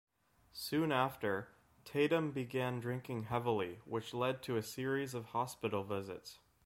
Soon after, Tatum began drinking heavily which led to a series of hospital visits.